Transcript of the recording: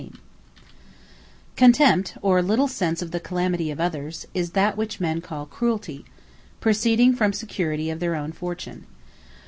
Cruelty Contempt, or little sense of the calamity of others, is that which men call CRUELTY; proceeding from Security of their own fortune.